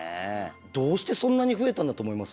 どうしてそんなに増えたんだと思います？